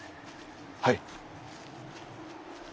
はい。